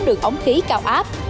đường ống khí cao áp